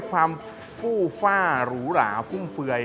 ความฟูฟ่าหรูหราฟุ่มเฟวย